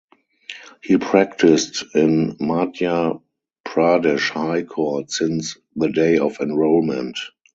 He practiced in Madhya Pradesh High Court since the day of enrollment.